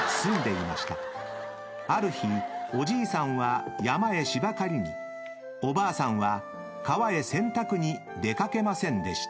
［ある日おじいさんは山へしば刈りにおばあさんは川へ洗濯に出掛けませんでした］